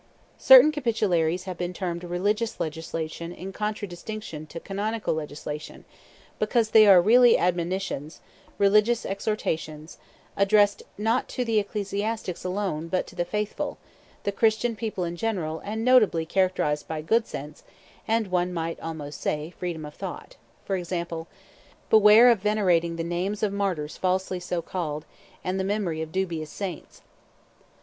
Certain Capitularies have been termed religious legislation in contradistinction to canonical legislation, because they are really admonitions, religious exhortations, addressed not to ecclesiastics alone, but to the faithful, the Christian people in general, and notably characterized by good sense, and, one might almost say, freedom of thought. For example, "Beware of venerating the names of martyrs falsely so called, and the memory of dubious saints."